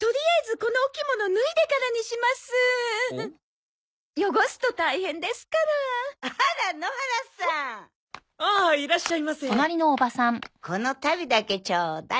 この足袋だけちょうだい。